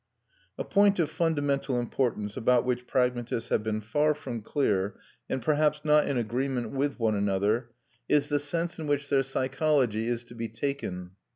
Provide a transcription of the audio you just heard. A point of fundamental importance, about which pragmatists have been far from clear, and perhaps not in agreement with one another, is the sense in which their psychology is to be taken.